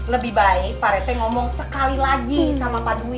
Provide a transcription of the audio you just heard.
lebih baik pak reti ngomong sekali lagi sama pak dwi